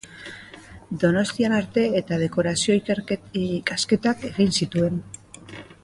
Donostian arte eta dekorazio ikasketak egin zituen.